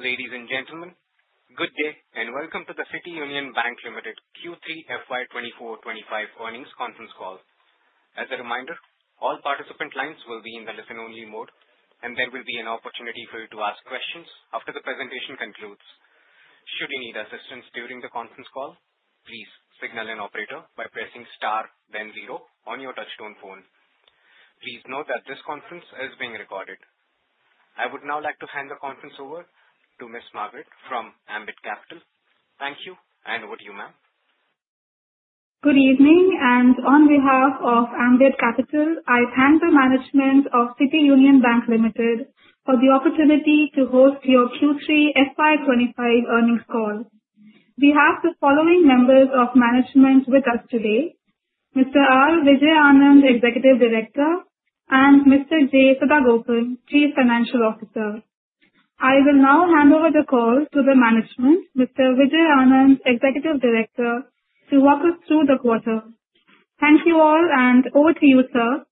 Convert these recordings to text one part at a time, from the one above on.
Ladies and gentlemen, good day and welcome to the City Union Bank Limited Q3 FY 2024-25 earnings conference call. As a reminder, all participant lines will be in the listen-only mode, and there will be an opportunity for you to ask questions after the presentation concludes. Should you need assistance during the conference call, please signal an operator by pressing star, then zero, on your touch-tone phone. Please note that this conference is being recorded. I would now like to hand the conference over to Miss Margaret from Ambit Capital. Thank you, and over to you, ma'am. Good evening, and on behalf of Ambit Capital, I thank the management of City Union Bank Limited for the opportunity to host your Q3 FY 25 earnings call. We have the following members of management with us today: Mr. R. Vijay Anand, Executive Director, and Mr. J. Sadagopan, Chief Financial Officer. I will now hand over the call to the management, Mr. Vijay Anand, Executive Director, to walk us through the quarter. Thank you all, and over to you, sir.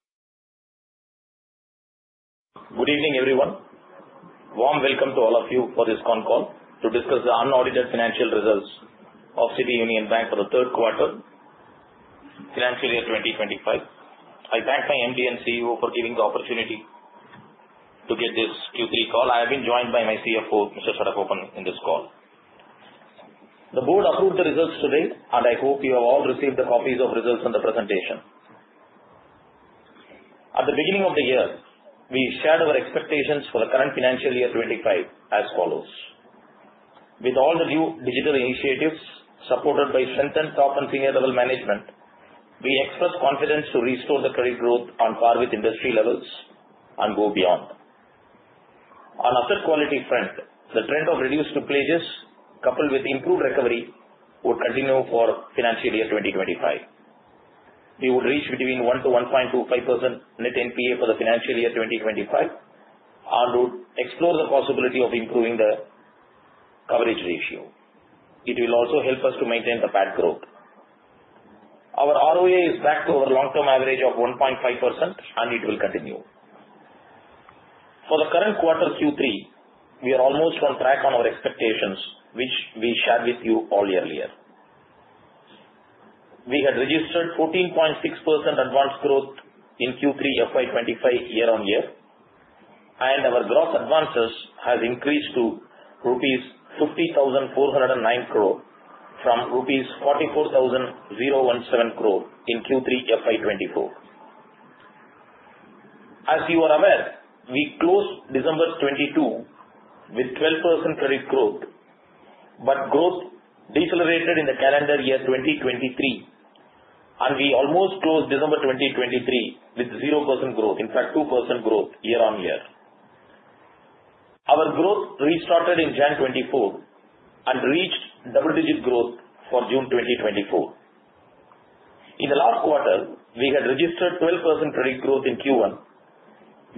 Good evening, everyone. Warm welcome to all of you for this con call to discuss the unaudited financial results of City Union Bank for the third quarter, financial year 2025. I thank my MD and CEO for giving the opportunity to get this Q3 call. I have been joined by my CFO, Mr. Sadagopan, in this call. The board approved the results today, and I hope you have all received the copies of results and the presentation. At the beginning of the year, we shared our expectations for the current financial year 25 as follows. With all the new digital initiatives supported by strengthened top and senior-level management, we express confidence to restore the credit growth on par with industry levels and go beyond. On asset quality front, the trend of reduced pledges, coupled with improved recovery, would continue for financial year 2025. We would reach between 1%-1.25% net NPA for the financial year 2025, and we would explore the possibility of improving the coverage ratio. It will also help us to maintain the CAGR. Our ROA is back to our long-term average of 1.5%, and it will continue. For the current quarter Q3, we are almost on track on our expectations, which we shared with you all earlier. We had registered 14.6% advance growth in Q3 FY 25 year-on-year, and our gross advances have increased to rupees 50,409 crore from rupees 44,017 crore in Q3 FY 24. As you are aware, we closed December 2022 with 12% credit growth, but growth decelerated in the calendar year 2023, and we almost closed December 2023 with 0% growth, in fact, 2% growth year-on-year. Our growth restarted in January 2024 and reached double-digit growth for June 2024. In the last quarter, we had registered 12% credit growth in Q1.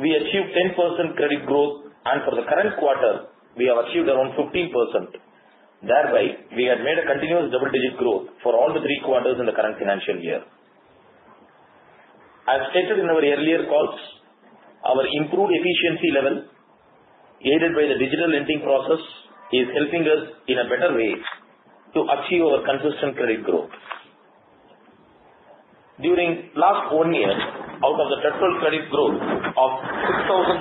We achieved 10% credit growth, and for the current quarter, we have achieved around 15%. Thereby, we had made a continuous double-digit growth for all the three quarters in the current financial year. As stated in our earlier calls, our improved efficiency level, aided by the digital lending process, is helping us in a better way to achieve our consistent credit growth. During the last one year, out of the total credit growth of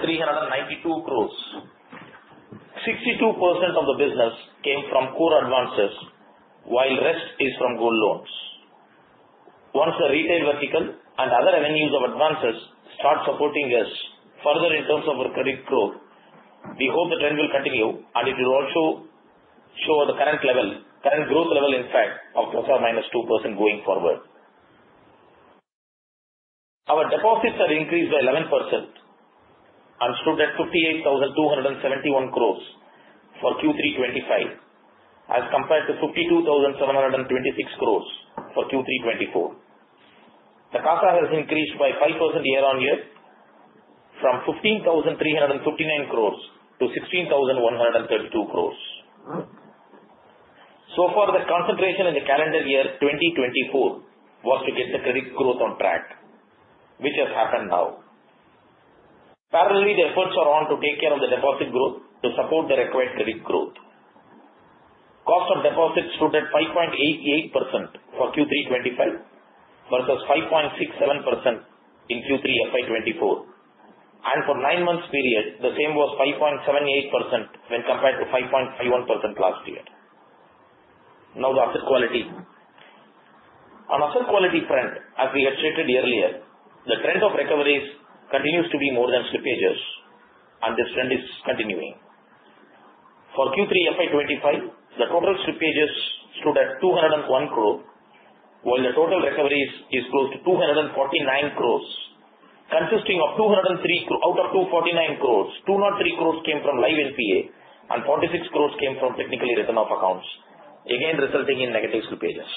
6,392 crores, 62% of the business came from core advances, while the rest is from gold loans. Once the retail vertical and other avenues of advances start supporting us further in terms of our credit growth, we hope the trend will continue, and it will also show the current growth level, in fact, of plus or minus 2% going forward. Our deposits have increased by 11% and stood at 58,271 crores for Q3 2025, as compared to 52,726 crores for Q3 2024. The CASA has increased by 5% year-on-year, from 15,359 crores to 16,132 crores. So far, the concentration in the calendar year 2024 was to get the credit growth on track, which has happened now. Parallelly, the efforts are on to take care of the deposit growth to support the required credit growth. Cost of deposits stood at 5.88% for Q3 2025 versus 5.67% in Q3 FY 2024. And for the nine-month period, the same was 5.78% when compared to 5.51% last year. Now, the asset quality. On the asset quality front, as we had stated earlier, the trend of recoveries continues to be more than slippages, and this trend is continuing. For Q3 FY 2025, the total slippages stood at 201 crore, while the total recoveries is close to 249 crore. Consisting of 203 out of 249 crore, 203 crore came from live NPA, and 46 crore came from technical write-off accounts, again resulting in negative slippages.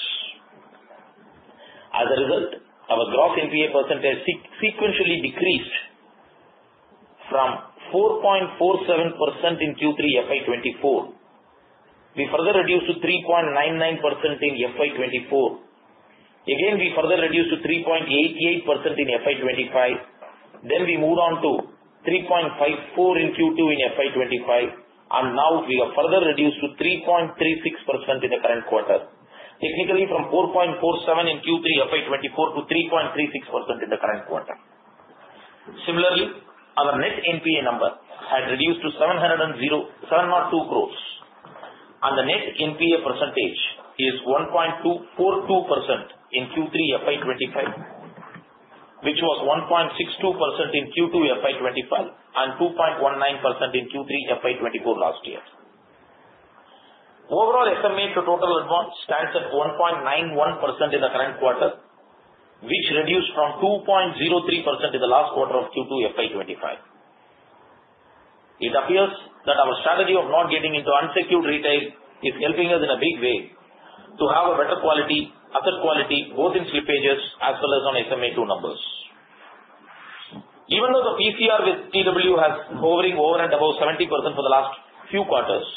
As a result, our gross NPA percentage sequentially decreased from 4.47% in Q3 FY 2024. We further reduced to 3.99% in FY 2024. Again, we further reduced to 3.88% in FY 2025. Then we moved on to 3.54% in Q2 in FY 2025, and now we have further reduced to 3.36% in the current quarter, technically from 4.47% in Q3 FY 2024 to 3.36% in the current quarter. Similarly, our net NPA number had reduced to 702 crore, and the net NPA percentage is 1.242% in Q3 FY 2025, which was 1.62% in Q2 FY 2025 and 2.19% in Q3 FY 2024 last year. Overall, estimated total advance stands at 1.91% in the current quarter, which reduced from 2.03% in the last quarter of Q2 FY 2025. It appears that our strategy of not getting into unsecured retail is helping us in a big way to have a better asset quality, both in slippages as well as on SMA2 numbers. Even though the PCR with TW has hovering over and above 70% for the last few quarters,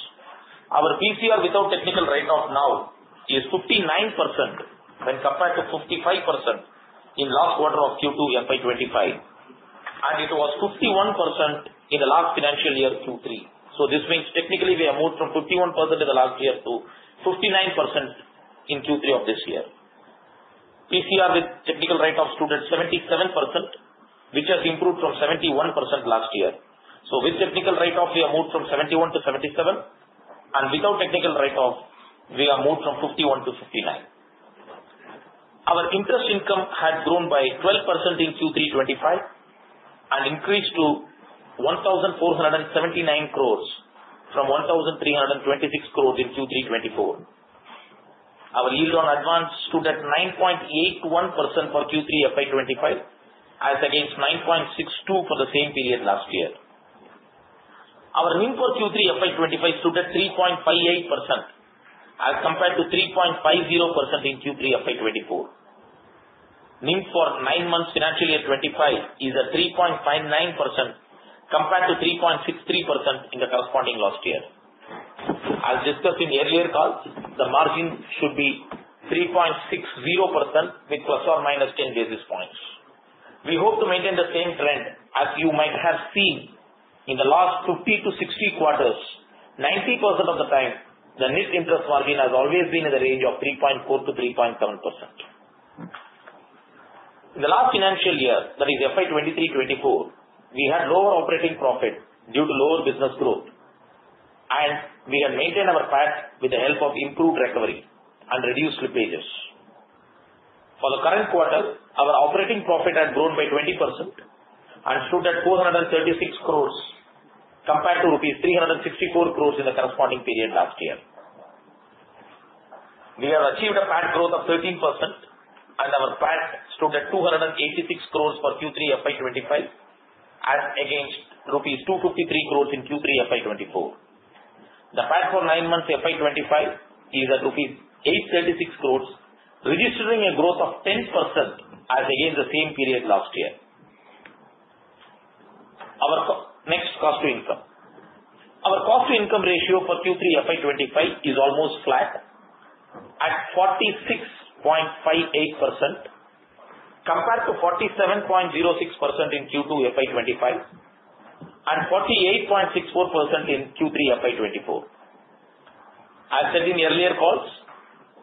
our PCR without technical write-off now is 59% when compared to 55% in the last quarter of Q2 FY 2025, and it was 51% in the last financial year Q3. So this means technically we have moved from 51% in the last year to 59% in Q3 of this year. PCR with technical write-off stood at 77%, which has improved from 71% last year. With technical write-off, we have moved from 71 to 77, and without technical write-off, we have moved from 51 to 59. Our interest income had grown by 12% in Q3 2025 and increased to 1,479 crores from 1,326 crores in Q3 2024. Our yield on advance stood at 9.81% for Q3 FY 2025, as against 9.62% for the same period last year. Our NIM for Q3 FY 2025 stood at 3.58% as compared to 3.50% in Q3 FY 2024. NIM for nine months financial year 2025 is at 3.59% compared to 3.63% in the corresponding last year. As discussed in earlier calls, the margin should be 3.60% with plus or minus 10 basis points. We hope to maintain the same trend as you might have seen in the last 50 to 60 quarters. 90% of the time, the net interest margin has always been in the range of 3.4%-3.7%. In the last financial year, that is FY 2023-24, we had lower operating profit due to lower business growth, and we had maintained our path with the help of improved recovery and reduced slippages. For the current quarter, our operating profit had grown by 20% and stood at 436 crores compared to rupees 364 crores in the corresponding period last year. We have achieved a PAT growth of 13%, and our PAT stood at 286 crores for Q3 FY 2024-25, as against rupees 253 crores in Q3 FY 2023-24. The PAT for nine months FY 2024-25 is at rupees 836 crores, registering a growth of 10% as against the same period last year. Our next cost to income. Our Cost-to-Income Ratio for Q3 FY 25 is almost flat at 46.58% compared to 47.06% in Q2 FY 25 and 48.64% in Q3 FY 24. As said in earlier calls,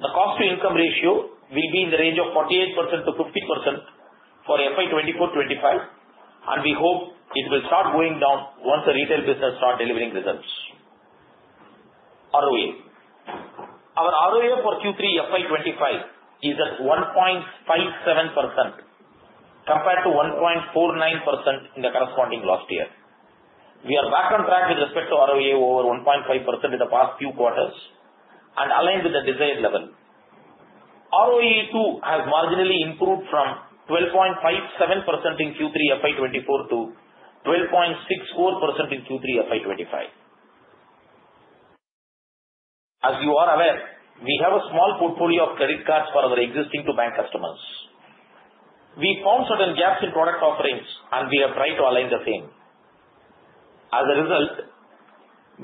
the Cost-to-Income Ratio will be in the range of 48%-50% for FY 24-25, and we hope it will start going down once the retail business starts delivering results. ROA. Our ROA for Q3 FY 25 is at 1.57% compared to 1.49% in the corresponding last year. We are back on track with respect to ROA over 1.5% in the past few quarters and aligned with the desired level. ROE too has marginally improved from 12.57% in Q3 FY 24 to 12.64% in Q3 FY 25. As you are aware, we have a small portfolio of credit cards for our existing-to-bank customers. We found certain gaps in product offerings, and we have tried to align the same. As a result,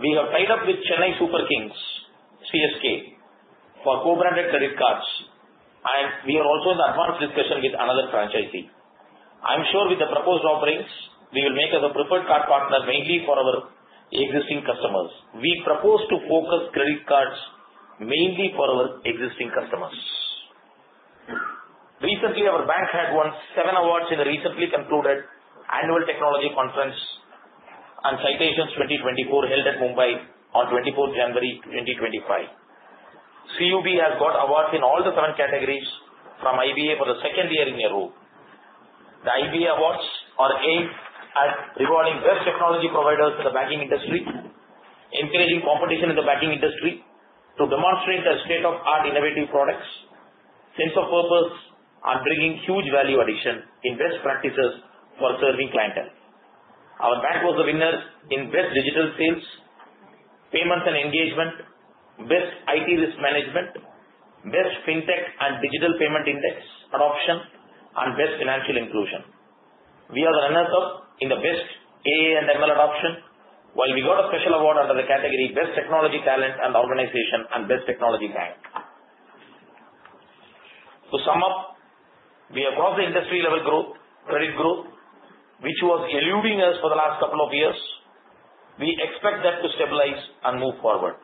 we have tied up with Chennai Super Kings CSK for co-branded credit cards, and we are also in the advanced discussion with another franchisee. I'm sure with the proposed offerings, we will make us a preferred card partner mainly for our existing customers. We propose to focus credit cards mainly for our existing customers. Recently, our bank had won seven awards in the recently concluded Annual Technology Conference and Citations 2024 held at Mumbai on 24 January 2025. CUB has got awards in all the seven categories from IBA for the second year in a row. The IBA awards are aimed at rewarding best technology providers in the banking industry, encouraging competition in the banking industry to demonstrate their state-of-the-art innovative products, sense of purpose, and bringing huge value addition in best practices for serving clientele. Our bank was the winner in best digital sales, payments and engagement, best IT risk management, best fintech and digital payment index adoption, and best financial inclusion. We are the runners-up in the best AI and ML adoption, while we got a special award under the category best technology talent and organization and best technology bank. To sum up, we have crossed the industry-level growth, credit growth, which was eluding us for the last couple of years. We expect that to stabilize and move forward.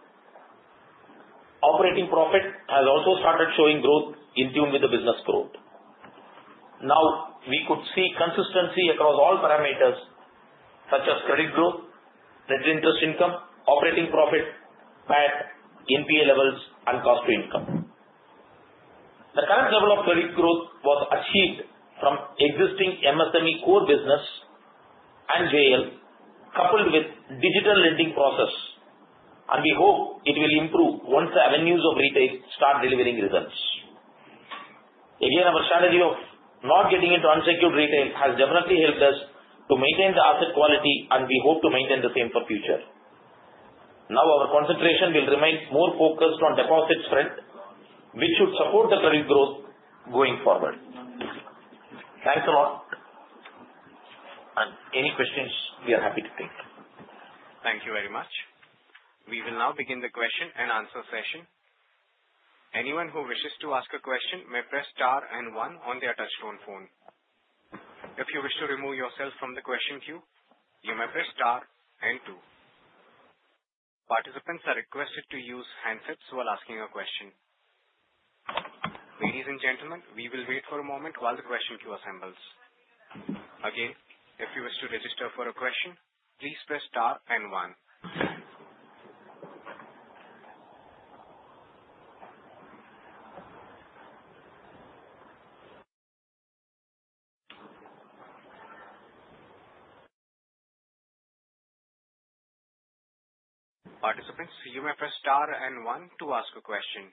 Operating profit has also started showing growth in tune with the business growth. Now, we could see consistency across all parameters such as credit growth, net interest income, operating profit, PAT, NPA levels, and cost to income. The current level of credit growth was achieved from existing MSME core business and JL, coupled with digital lending process, and we hope it will improve once the avenues of retail start delivering results. Again, our strategy of not getting into unsecured retail has definitely helped us to maintain the asset quality, and we hope to maintain the same for the future. Now, our concentration will remain more focused on deposits front, which should support the credit growth going forward. Thanks a lot. And any questions, we are happy to take. Thank you very much. We will now begin the question and answer session. Anyone who wishes to ask a question may press star and one on their touch-tone phone. If you wish to remove yourself from the question queue, you may press star and two. Participants are requested to use handsets while asking a question. Ladies and gentlemen, we will wait for a moment while the question queue assembles. Again, if you wish to register for a question, please press star and one. Participants, you may press star and one to ask a question.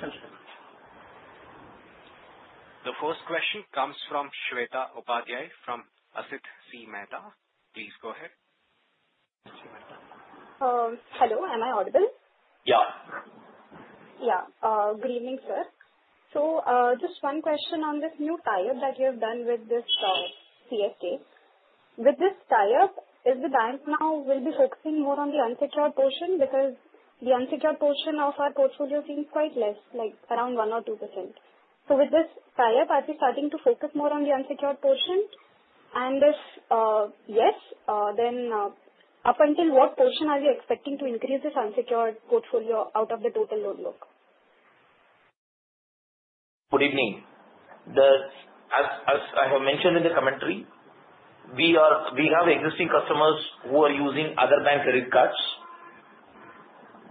The first question comes from Shweta Upadhyay from Asit C Meta. Please go ahead. Hello. Am I audible? Yeah. Yeah. Good evening, sir. So just one question on this new tie-up that you have done with this CSK. With this tie-up, is the bank now will be focusing more on the unsecured portion because the unsecured portion of our portfolio seems quite less, like around 1 or 2%. So with this tie-up, are we starting to focus more on the unsecured portion? And if yes, then up until what portion are we expecting to increase this unsecured portfolio out of the total loan book? Good evening. As I have mentioned in the commentary, we have existing customers who are using other bank credit cards.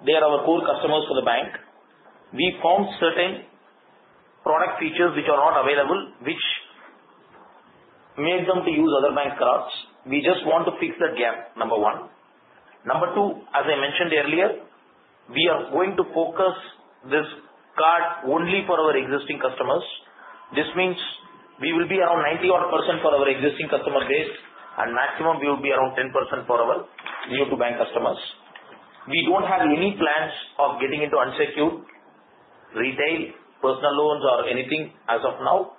They are our core customers for the bank. We found certain product features which are not available, which made them to use other bank cards. We just want to fix that gap, number one. Number two, as I mentioned earlier, we are going to focus this card only for our existing customers. This means we will be around 90% for our existing customer base, and maximum we will be around 10% for our new-to-bank customers. We don't have any plans of getting into unsecured retail, personal loans, or anything as of now.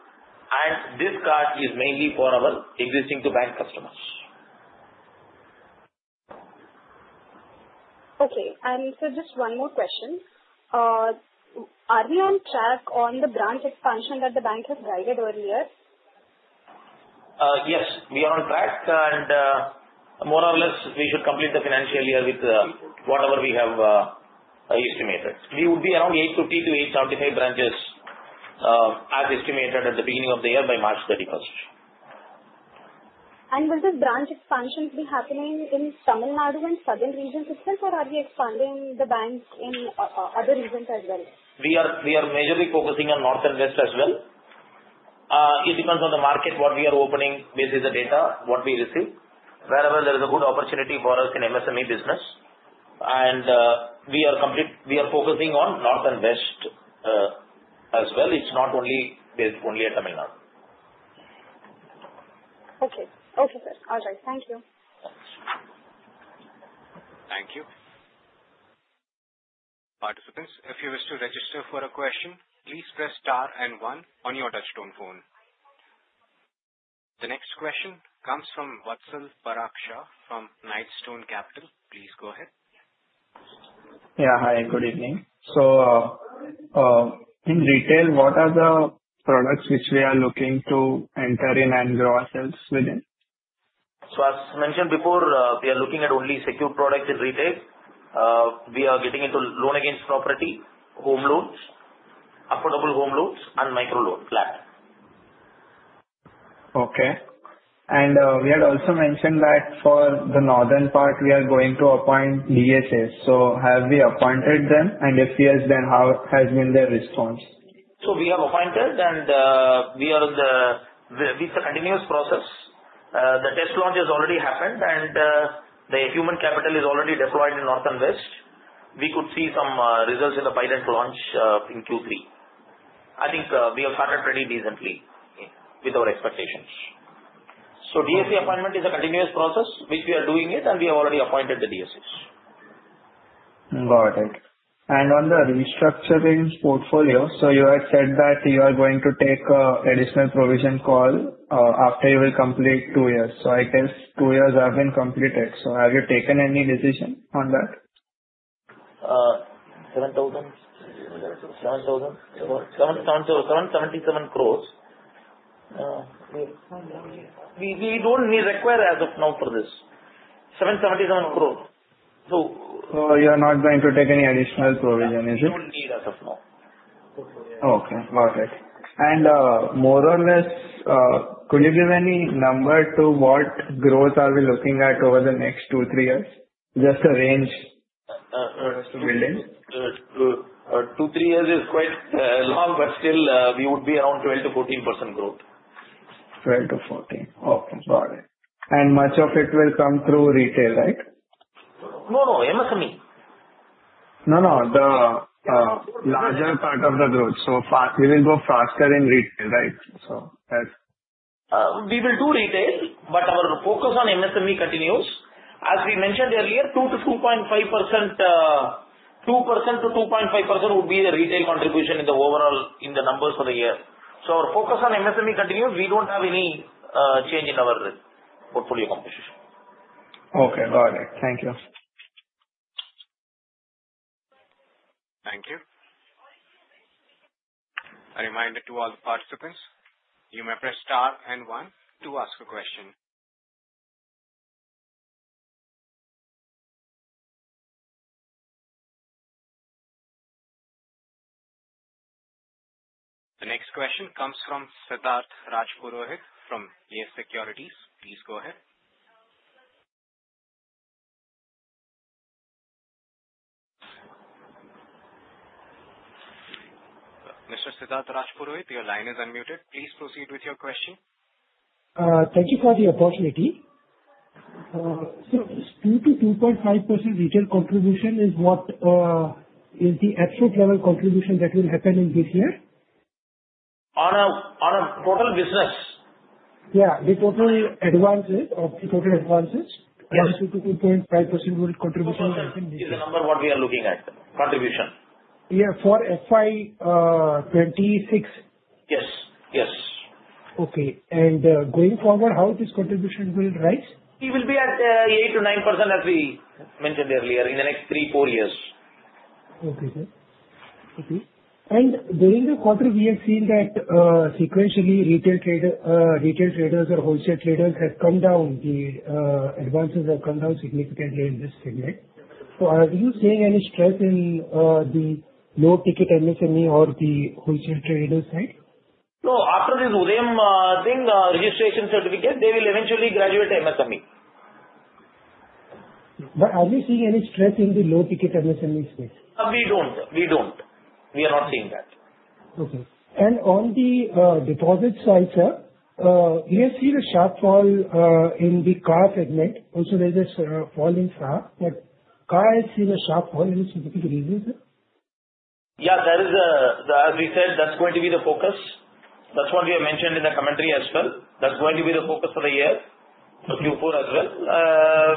And this card is mainly for our existing-to-bank customers. Okay. And so just one more question. Are we on track on the branch expansion that the bank has guided earlier? Yes. We are on track. And more or less, we should complete the financial year with whatever we have estimated. We would be around 850-875 branches as estimated at the beginning of the year by March 31st. And will this branch expansion be happening in Tamil Nadu and southern regions itself, or are we expanding the bank in other regions as well? We are majorly focusing on north and west as well. It depends on the market, what we are opening based on the data, what we receive. Wherever there is a good opportunity for us in MSME business. And we are focusing on north and west as well. It's not only based at Tamil Nadu. Okay. Okay, sir. All right. Thank you. Thank you. Participants, if you wish to register for a question, please press star and one on your touch-tone phone. The next question comes from Vatsal Parekh from Knightstone Capital. Please go ahead. Yeah. Hi. Good evening. So in retail, what are the products which we are looking to enter in and grow ourselves within? So as mentioned before, we are looking at only secured products in retail. We are getting into loan against property, home loans, affordable home loans, and micro loans. Flat. Okay. And we had also mentioned that for the northern part, we are going to appoint DSAs. So have we appointed them? And if yes, then how has been their response? So we have appointed, and we are in the continuous process. The test launch has already happened, and the human capital is already deployed in north and west. We could see some results in the pilot launch in Q3. I think we have started pretty decently with our expectations. So DSA appointment is a continuous process, which we are doing it, and we have already appointed the DSAs. Got it. And on the restructuring portfolio, so you had said that you are going to take an additional provision call after you will complete two years. So I guess two years have been completed. So have you taken any decision on that? 7,000? 7,000? INR 7,777 crores. We don't need required as of now for this. 7,777 crores. So you are not going to take any additional provision? We don't need as of now. Okay. Got it. And more or less, could you give any number to what growth are we looking at over the next two, three years? Just a range to build in. Two, three years is quite long, but still we would be around 12-14% growth. 12-14. Okay. Got it. And much of it will come through retail, right? No, no. MSME. No, no. The larger part of the growth. So we will go faster in retail, right? So that's we will do retail, but our focus on MSME continues. As we mentioned earlier, 2-2.5%, 2%-2.5% would be the retail contribution in the overall in the numbers for the year. So our focus on MSME continues. We don't have any change in our portfolio composition. Okay. Got it. Thank you. Thank you. A reminder to all the participants, you may press star and one to ask a question. The next question comes from Siddharth Rajpurohit from Yes Securities. Please go ahead. Mr. Siddharth Rajpurohit, your line is unmuted. Please proceed with your question. Thank you for the opportunity. So 2-2.5% retail contribution is what is the absolute level contribution that will happen in this year? On a total business? Yeah. The total advances of the total advances. 2-2.5% will contribution is the number what we are looking at. Contribution. Yeah. For FY 2026? Yes. Yes. Okay. And going forward, how this contribution will rise? It will be at 8-9% as we mentioned earlier in the next three, four years. Okay. And during the quarter, we have seen that sequentially retail traders or wholesale traders have come down. The advances have come down significantly in this segment. So are you seeing any stress in the low-ticket MSME or the wholesale trader side? No. After this Udyam thing, registration certificate, they will eventually graduate MSME. But are you seeing any stress in the low-ticket MSME space? We don't. We don't. We are not seeing that. Okay. And on the deposit side, sir, we have seen a sharp fall in the CASA segment. Also, there is a fall in CASA. But CASA has seen a sharp fall. Any specific reasons, sir? Yeah. As we said, that's going to be the focus. That's what we have mentioned in the commentary as well. That's going to be the focus for the year for Q4 as well.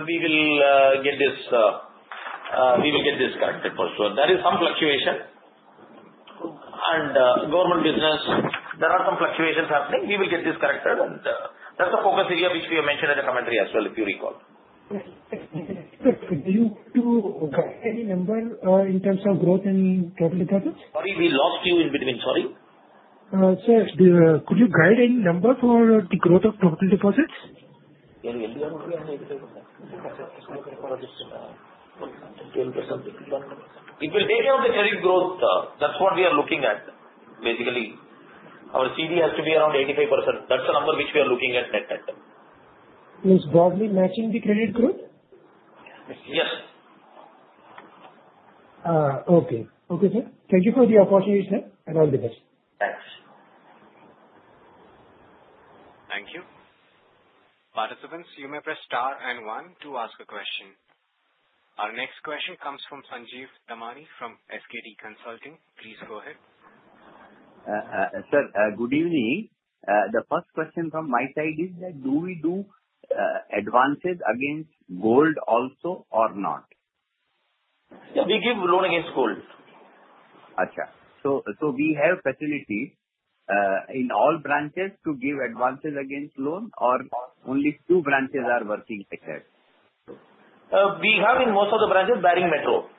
We will get this corrected for sure. There is some fluctuation. And government business, there are some fluctuations happening. We will get this corrected. And that's the focus area which we have mentioned in the commentary as well, if you recall. Do you guide any number in terms of growth in total deposits? Sorry, we lost you in between. Sorry. Sir, could you give any number for the growth of total deposits? It will take care of the credit growth. That's what we are looking at, basically. Our CD has to be around 85%. That's the number which we are looking at not at the. Is broadly matching the credit growth? Yes. Okay. Okay, sir. Thank you for the opportunity, sir, and all the best. Thanks. Thank you. Participants, you may press star and one to ask a question. Our next question comes from Sanjeev Damani from SKD Consulting. Please go ahead. Sir, good evening. The first question from my side is that do we do advances against gold also or not? Yeah. We give loan against gold. Yeah. So we have facilities in all branches to give advances against loan or only two branches are working like that? We have in most of the branches barring metro.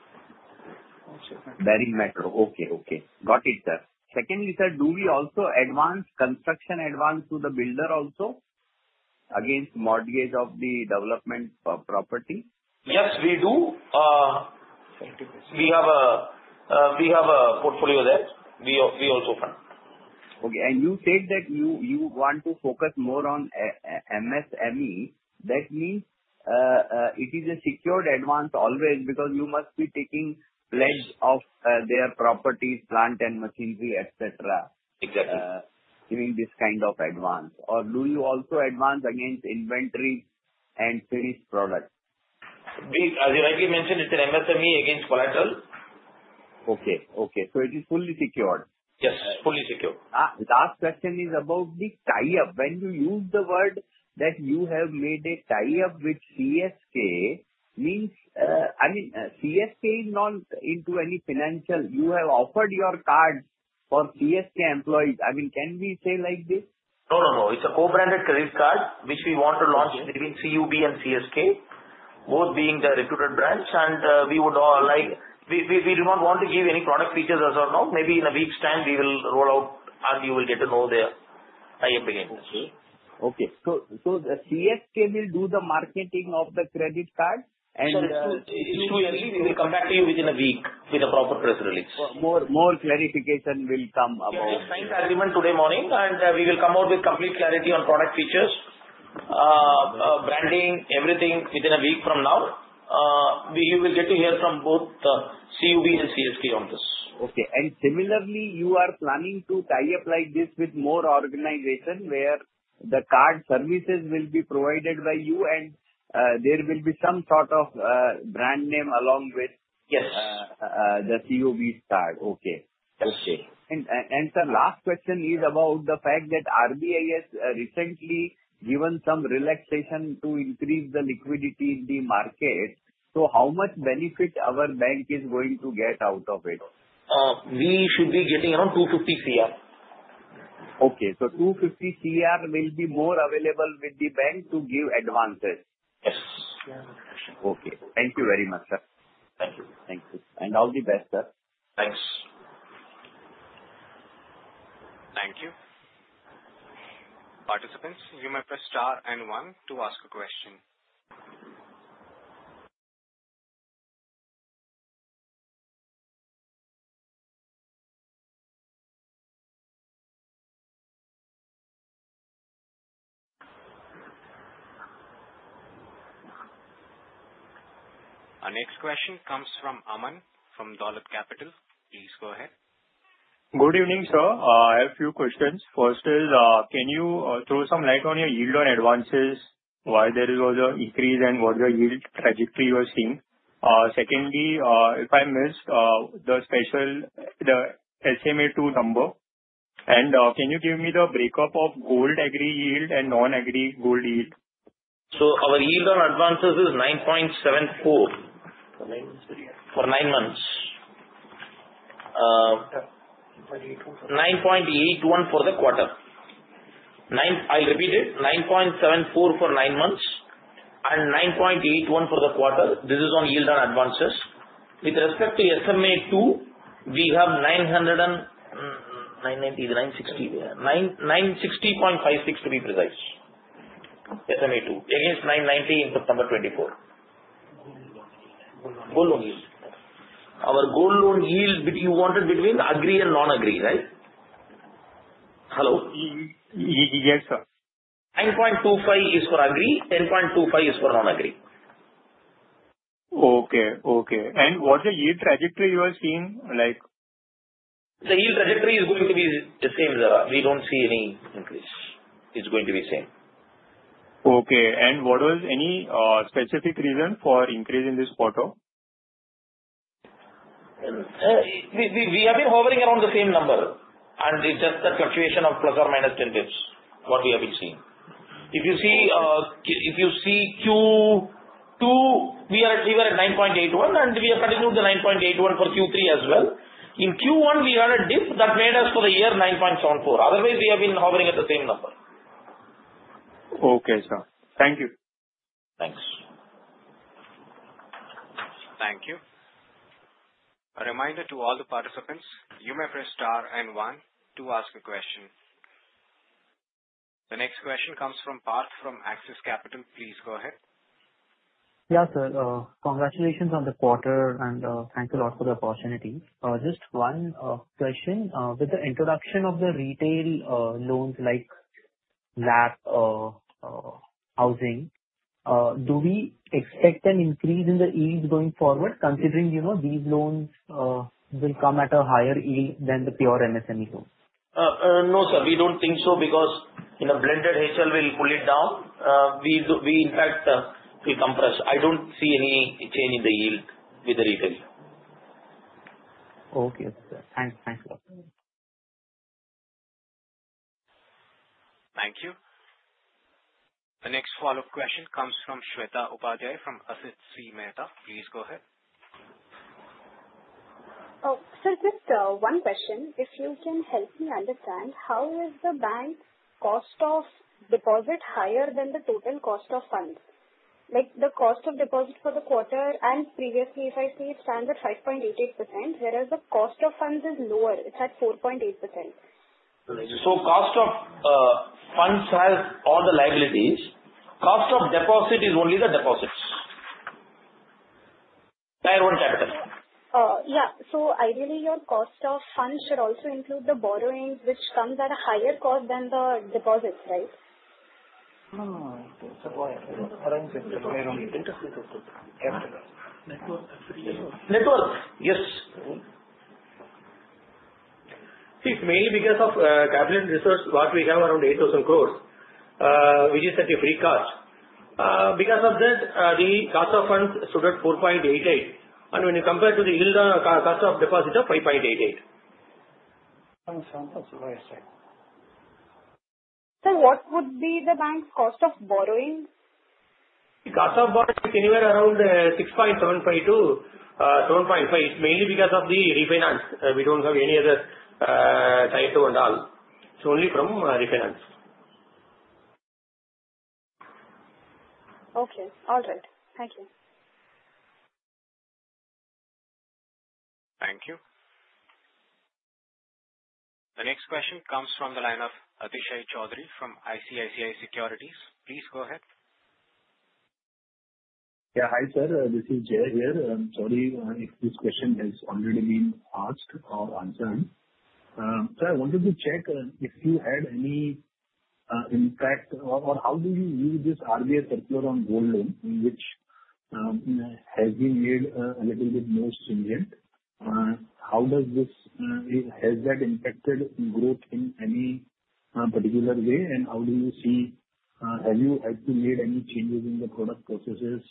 Barring metro. Okay. Okay. Got it, sir. Secondly, sir, do we also advance construction advance to the builder also against mortgage of the development property? Yes, we do. We have a portfolio there. We also fund. Okay. And you said that you want to focus more on MSME. That means it is a secured advance always because you must be taking pledge of their properties, plant and machinery, etc. Exactly. Giving this kind of advance. Or do you also advance against inventory and finished product? As you mentioned, it's an MSME against collateral. Okay. Okay. So it is fully secured. Yes. Fully secured. Last question is about the tie-up. When you use the word that you have made a tie-up with CSK, means I mean, CSK is not into any financial. You have offered your cards for CSK employees. I mean, can we say like this? No, no, no. It's a co-branded credit card 'which we want to launch between CUB and CSK, both being the reputed brands. And we would like. We do not want to give any product features as of now. Maybe in a week's time, we will roll out, and you will get to know the tie-up again. Okay. So the CSK will do the marketing of the credit card, and it will be. We will come back to you within a week with a proper press release. More clarification will come about. We just signed the agreement today morning, and we will come out with complete clarity on product features, branding, everything within a week from now. You will get to hear from both CUB and CSK on this. Okay. And similarly, you are planning to tie-up like this with more organization where the card services will be provided by you, and there will be some sort of brand name along with the CUB's card. Okay. Okay. And the last question is about the fact that RBI has recently given some relaxation to increase the liquidity in the market. So how much benefit our bank is going to get out of it? We should be getting around 250 crore. Okay. So 250 crore will be more available with the bank to give advances. Yes. Okay. Thank you very much, sir. Thank you. Thank you. And all the best, sir. Thanks. Thank you. Participants, you may press star and one to ask a question. Our next question comes from Aman from Dolat Capital. Please go ahead. Good evening, sir. I have a few questions. First is, can you throw some light on your yield on advances? Why there is an increase and what's the yield trajectory you are seeing? Secondly, if I missed the special SMA2 number, and can you give me the breakup of gold agri yield and non-agri gold yield? So our yield on advances is 9.74 for nine months. 9.81 for the quarter. I'll repeat it. 9.74 for nine months and 9.81 for the quarter. This is on yield on advances. With respect to SMA2, we have 960.56 to be precise. SMA2 against 990 in September 2024. Gold loan yield. Our gold loan yield, you wanted between agri and non-agri, right? Hello? Yes, sir. 9.25 is for agri. 10.25 is for non-agri. Okay. Okay. And what's the yield trajectory you are seeing? The yield trajectory is going to be the same, sir. We don't see any increase. It's going to be the same. Okay. And what was any specific reason for increase in this quarter? We have been hovering around the same number, and it's just the fluctuation of plus or minus 10 basis points, what we have been seeing. If you see Q2, we are at 9.81, and we have continued the 9.81 for Q3 as well. In Q1, we had a dip that made us for the year 9.74. Otherwise, we have been hovering at the same number. Okay, sir. Thank you. Thanks. Thank you. A reminder to all the participants, you may press star and one to ask a question. The next question comes from Parth from Axis Capital. Please go ahead. Yeah, sir. Congratulations on the quarter, and thank you a lot for the opportunity. Just one question. With the introduction of the retail loans like LAP housing, do we expect an increase in the yield going forward, considering these loans will come at a higher yield than the pure MSME loans? No, sir. We don't think so because blended HL will pull it down. We, in fact, will compress. I don't see any change in the yield with the retail. Okay, sir. Thanks. Thank you. Thank you. The next follow-up question comes from Shweta Upadhyay from Asit C Meta. Please go ahead. Sir, just one question. If you can help me understand, how is the bank's cost of deposit higher than the total cost of funds? The cost of deposit for the quarter, and previously, if I see it stands at 5.88%, whereas the cost of funds is lower. It's at 4.8%. So cost of funds has all the liabilities. Cost of deposit is only the deposits. Tier 1 capital. Yeah. So ideally, your cost of funds should also include the borrowings, which comes at a higher cost than the deposits, right? Net worth. Yes. It's mainly because of capital raised, what we have around 8,000 crores, which is at a free cost. Because of that, the cost of funds stood at 4.88%. And when you compare to the yield, cost of deposit of 5.88%. So what would be the bank's cost of borrowing? The cost of borrowing is anywhere around 6.75% to 7.5%. It's mainly because of the refinance. We don't have any other side too and all. It's only from refinance. Okay. All right. Thank you. Thank you. The next question comes from the line of Athishay Choudhury from ICICI Securities. Please go ahead. Yeah. Hi, sir. This is Jay here. I'm sorry if this question has already been asked or answered. So I wanted to check if you had any impact or how do you view this RBI circular on gold loan, which has been made a little bit more stringent? How does this have that impacted growth in any particular way? And how do you see, have you had to make any changes in the product processes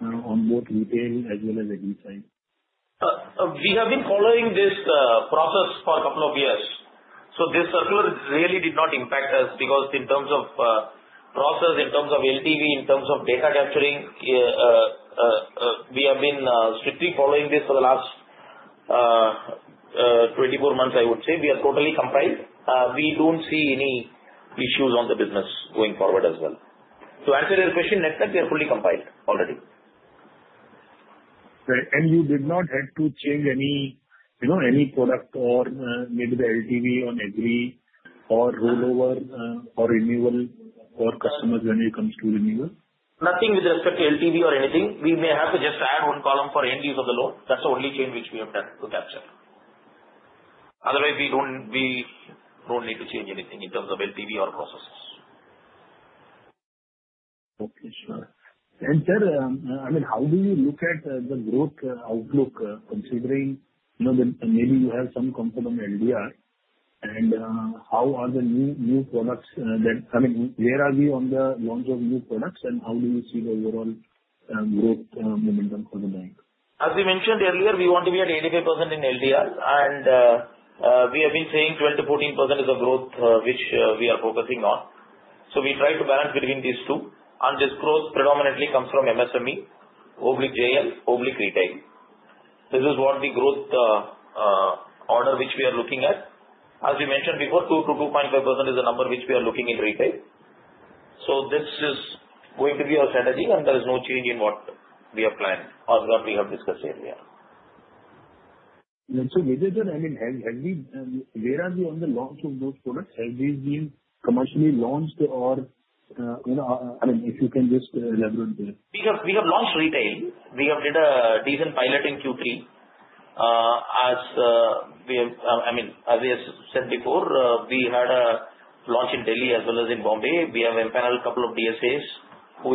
on both retail as well as agri side? We have been following this process for a couple of years. So this circular really did not impact us because in terms of process, in terms of LTV, in terms of data capturing, we have been strictly following this for the last 24 months, I would say. We are totally compliant. We don't see any issues on the business going forward as well. To answer your question, in fact, we are fully compliant already. And you did not have to change any product or maybe the LTV on agri or rollover or renewal for customers when it comes to renewal? Nothing with respect to LTV or anything. We may have to just add one column for end use of the loan. That's the only change which we have to capture. Otherwise, we don't need to change anything in terms of LTV or processes. Okay, sir. And sir, I mean, how do you look at the growth outlook considering maybe you have some confidence in LDR? And how are the new products that I mean, where are we on the launch of new products? And how do you see the overall growth momentum for the bank? As we mentioned earlier, we want to be at 85% in LDR. And we have been seeing 12%-14% is the growth which we are focusing on. We try to balance between these two. This growth predominantly comes from MSME/JL/retail. This is what the growth order which we are looking at. As we mentioned before, 2%-2.5% is the number which we are looking in retail. This is going to be our strategy, and there is no change in what we have planned or what we have discussed earlier. Maybe, sir, I mean, where are we on the launch of those products? Have these been commercially launched or I mean, if you can just elaborate there. We have launched retail. We have did a decent pilot in Q3. I mean, as we have said before, we had a launch in Delhi as well as in Mumbai. We have empaneled a couple of DSAs who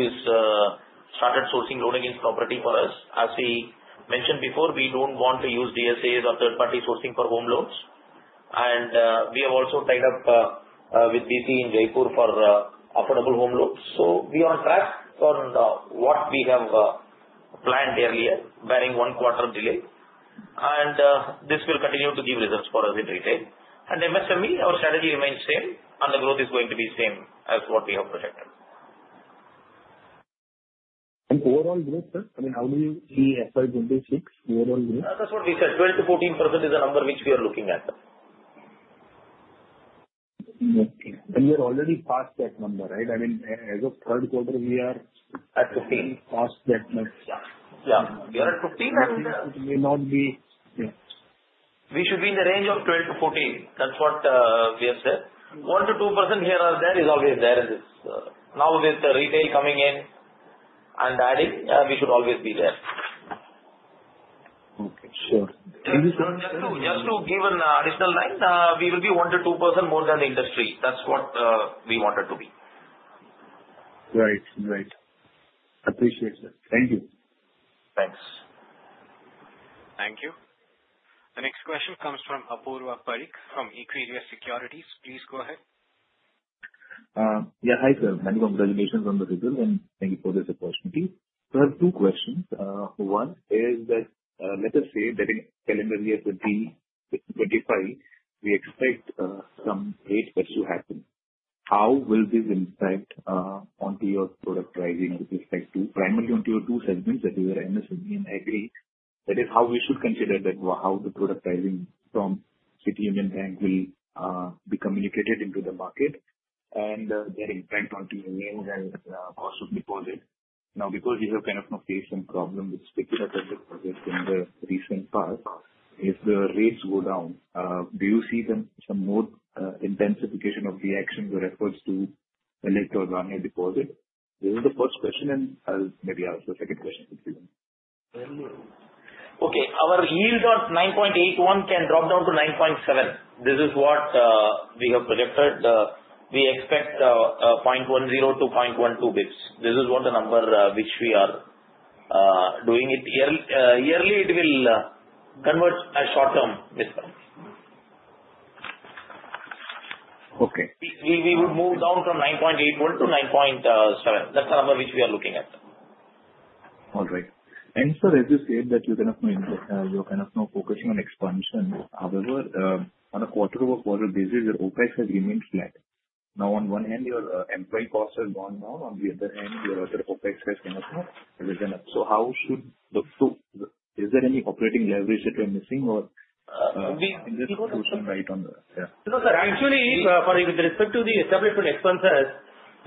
started sourcing loan against property for us. As we mentioned before, we don't want to use DSAs or third-party sourcing for home loans. And we have also tied up with BC in Jaipur for affordable home loans. So we are on track on what we have planned earlier, barring one quarter delay. And this will continue to give results for us in retail. And MSME, our strategy remains same, and the growth is going to be the same as what we have projected. And overall growth, sir? I mean, how do you see FY 26 overall growth? That's what we said. 12%-14% is the number which we are looking at. Okay. And you're already past that number, right? I mean, as of third quarter, we are at 15. Past that number. Yeah. We are at 15, and we should not be yeah. We should be in the range of 12%-14%. That's what we have said. 1%-2% here or there is always there in this. Now with the retail coming in and adding, we should always be there. Okay. Sure. Just to give an additional line, we will be 1%-2% more than the industry. That's what we wanted to be. Right. Right. Appreciate it. Thank you. Thanks. Thank you. The next question comes from Apurva Parikh from Equirus Securities. Please go ahead. Yeah. Hi, sir. Many congratulations on the result, and thank you for this opportunity. So I have two questions. One is that let us say that in calendar year 2025, we expect some rate cuts to happen. How will this impact onto your product pricing with respect to primarily onto your two segments that you are MSME and agri? That is how we should consider that how the product pricing from City Union Bank will be communicated into the market and their impact onto your yield and cost of deposit. Now, because you have kind of some CASA and problem with particular projects in the recent past, if the rates go down, do you see some more intensification of the action with respect to retail or non-agri deposit? This is the first question, and maybe I'll ask the second question if you want. Okay. Our yield on 9.81 can drop down to 9.7. This is what we have projected. We expect 0.10-0.12 basis points. This is what the number which we are doing it yearly. It will convert a short-term discount. Okay. We will move down from 9.81 to 9.7. That's the number which we are looking at. All right. Sir, as you said that you're kind of focusing on expansion. However, on a quarter-over-quarter basis, your OpEx has remained flat. Now, on one hand, your employee cost has gone down. On the other hand, your OpEx has kind of returned. So how should we see this? Is there any operating leverage that you are missing or in this position right now? Yeah? No, sir. Actually, with respect to the establishment expenses,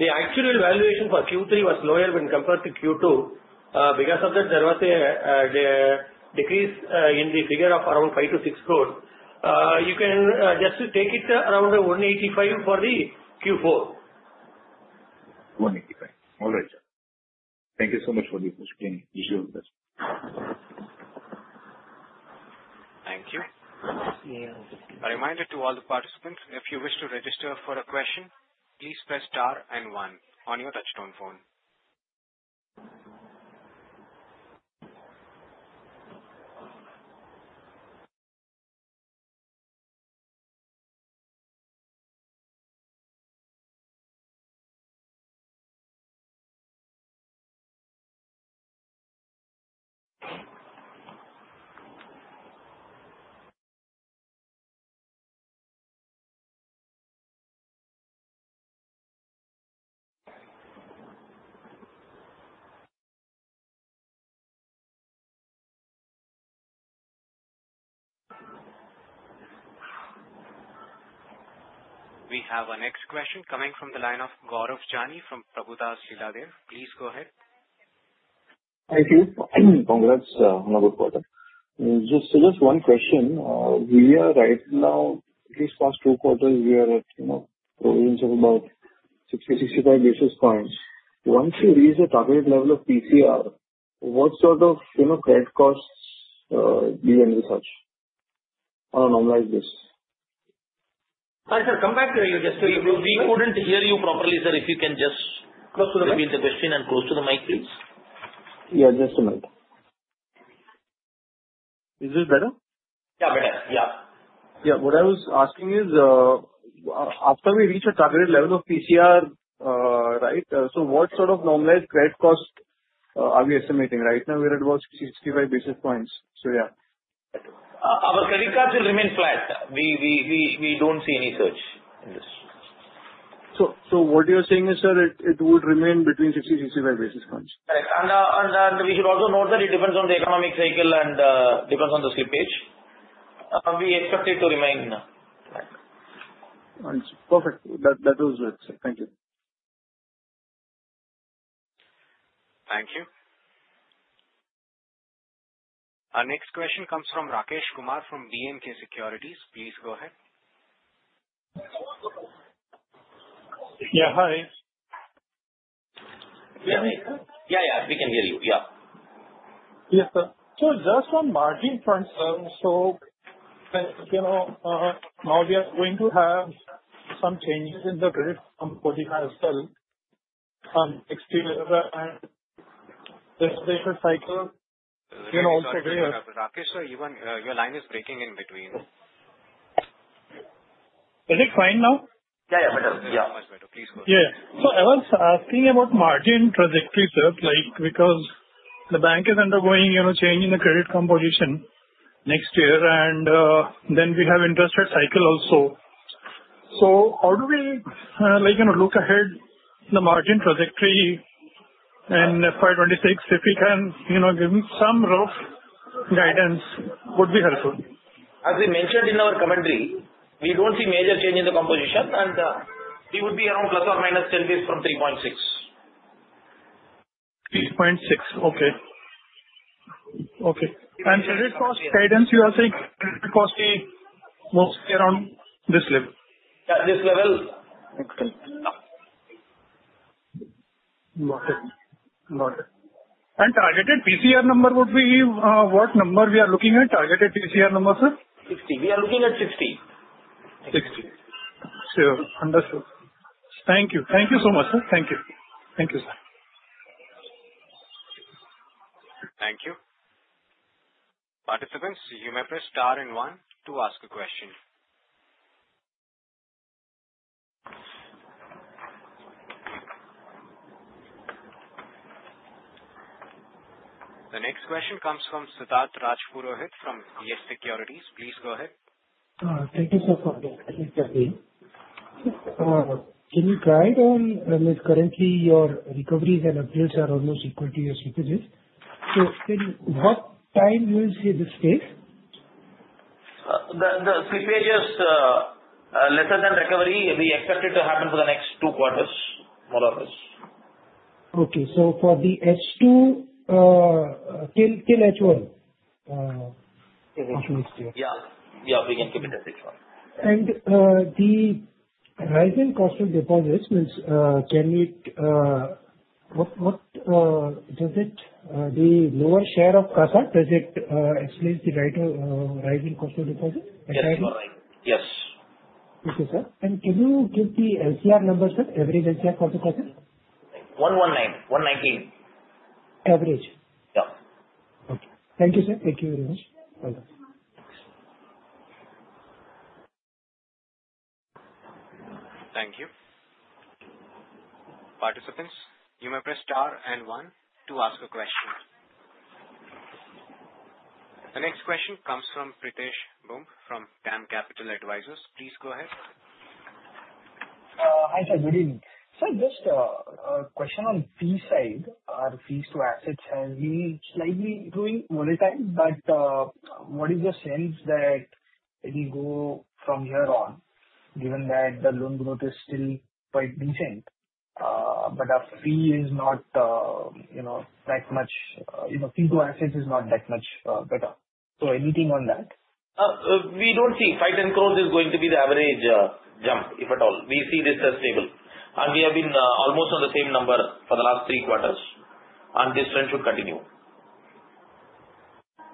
the actual valuation for Q3 was lower when compared to Q2. Because of that, there was a decrease in the figure of around 5-6 crores. You can just take it around 185 crores for the Q4. 185 crores. All right, sir. Thank you so much for this question. Thank you. A reminder to all the participants, if you wish to register for a question, please press star and one on your touch-tone phone. We have a next question coming from the line of Gaurav Jani from Prabhudas Lillladher. Please go ahead. Thank you. Congrats on a good quarter. Just one question. We are right now, at least past two quarters, we are at range of about 60-65 basis points. Once you reach the target level of PCR, what sort of credit costs do you end to such or normalize this? Hi, sir. Come back to you. We couldn't hear you properly, sir. If you can just close to the mic. Between the question and close to the mic, please. Yeah. Just a minute. Is this better? Yeah. Better. Yeah. Yeah. What I was asking is, after we reach a target level of PCR, right, so what sort of normalized credit cost are we estimating right now? We're at about 65 basis points. So yeah. Our credit cards will remain flat. We don't see any surge in this. So what you're saying is, sir, it would remain between 60-65 basis points? Correct. And we should also note that it depends on the economic cycle and depends on the slippage. We expect it to remain flat. Perfect. That was it. Thank you. Thank you. Our next question comes from Rakesh Kumar from B&K Securities. Please go ahead. Yeah. Hi. Yeah. Yeah. We can hear you. Yeah. Yes, sir. So just on margin front, sir, so now we are going to have some changes in the credit mix from 45% and external and transmission cycle. Rakesh, sir, your line is breaking in between. Is it fine now? Yeah. Yeah. Better. Yeah. Much better. Please go ahead. Yeah. So I was asking about margin trajectory, sir, because the bank is undergoing a change in the credit composition next year, and then we have interest rate cycle also. So how do we look ahead the margin trajectory in FY 2026? If we can give some rough guidance, it would be helpful. As we mentioned in our commentary, we don't see major change in the composition, and we would be around plus or minus 10 basis points from 3.6. 3.6. Okay. Okay. And credit cost guidance, you are saying credit cost will mostly around this level? Yeah. This level. Excellent. Got it. Got it. And targeted PCR number would be what number we are looking at? Targeted PCR number, sir? 60. We are looking at 60. 60. Sure. Understood. Thank you. Thank you so much, sir. Thank you. Thank you, sir. Thank you. Participants, you may press star and one to ask a question. The next question comes from Siddharth Rajpurohit from Yes Securities. Please go ahead. Thank you, sir, for having me. Can you guide on currently your recoveries and upgrades are almost equal to your slippages? So what timeframe will we see this phase? The slippage is lesser than recovery. We expect it to happen for the next two quarters, more or less. Okay. So for the H2 till H1? Yeah. Yeah. We can keep it as H1. And the rising cost of deposits, can it, what does it, the lower share of CASA, does it explain the rising cost of deposit? Yes. Yes. Okay, sir. And can you give the LCR number, sir? Average LCR for the CASA? 119. 119. Average. Yeah. Okay. Thank you, sir. Thank you very much. Thank you. Participants, you may press star and one to ask a question. The next question comes from Pritesh Bumb from DAM Capital Advisors. Please go ahead. Hi, sir. Good evening. Sir, just a question on fee side. Our fees to assets have been slightly growing over time, but what is the sense that it will go from here on given that the loan growth is still quite decent, but our fee is not that much fee to assets is not that much better? So anything on that? We don't see 5-10 crores is going to be the average jump, if at all. We see this as stable. And we have been almost on the same number for the last three quarters, and this trend should continue.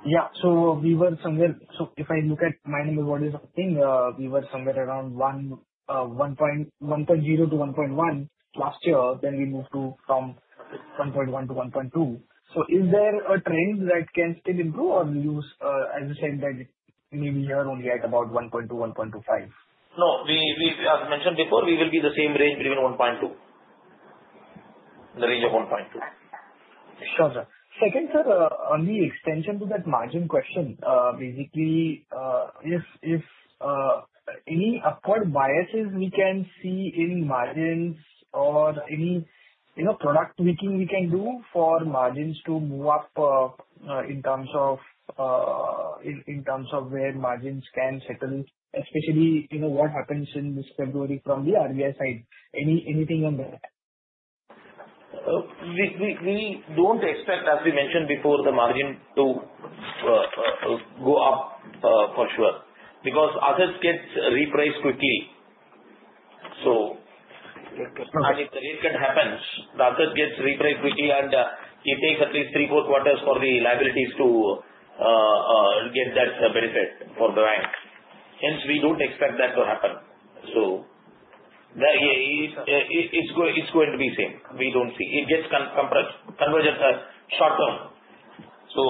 Yeah. If I look at my number, what is happening? We were somewhere around 1.0-1.1 last year, then we moved from 1.1-1.2. Is there a trend that can still improve, or, as you said, that maybe we are only at about 1.2-1.25? No. As mentioned before, we will be in the same range between 1.2. The range of 1.2. Sure, sir. Second, sir, on the extension to that margin question, basically, if any upward biases we can see in margins or any product tweaking we can do for margins to move up in terms of where margins can settle, especially what happens in this February from the RBI side. Anything on that? We don't expect, as we mentioned before, the margin to go up for sure because assets get repriced quickly. So when the rate cut happens, the asset gets repriced quickly, and it takes at least three, four quarters for the liabilities to get that benefit for the bank. Hence, we don't expect that to happen. So it's going to be the same. We don't see. It gets converged short-term. So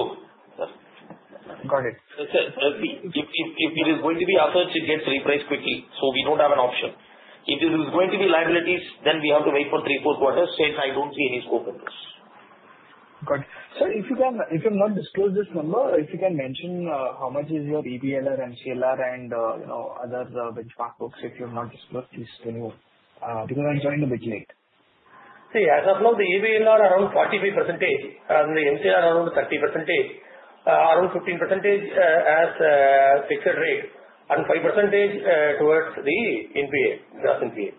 if it is going to be assets, it gets repriced quickly. So we don't have an option. If it is going to be liabilities, then we have to wait for three, four quarters. Hence, I don't see any scope in this. Got it. Sir, if you can not disclose this number, if you can mention how much is your EBLR, MCLR, and other benchmark books, if you've not disclosed, please tell me because I'm joining a bit late. See, as of now, the EBLR is around 45%, and the MCLR is around 30%, around 15% as fixed rate, and 5% towards the NPA, gross NPA.